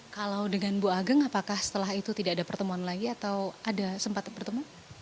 kalau dengan bu ageng apakah setelah itu tidak ada pertemuan lagi atau ada sempat bertemu